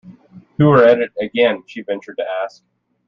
‘Who are at it again?’ she ventured to ask.